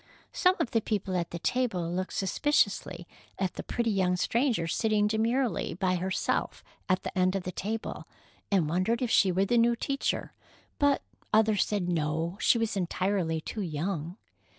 Some of the people at the table looked suspiciously at the pretty young stranger sitting demurely by herself at the end of the table, and wondered if she were the new teacher, but others said no, she was entirely too young.